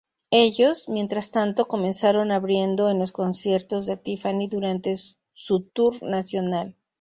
Ellos, mientras tanto, comenzaron abriendo en los conciertos de Tiffany durante su tour nacional.